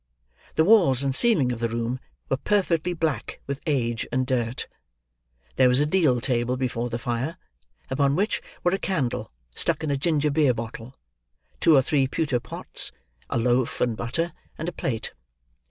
The walls and ceiling of the room were perfectly black with age and dirt. There was a deal table before the fire: upon which were a candle, stuck in a ginger beer bottle, two or three pewter pots, a loaf and butter, and a plate.